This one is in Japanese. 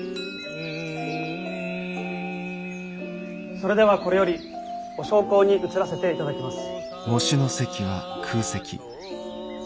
それではこれよりお焼香に移らせていただきます。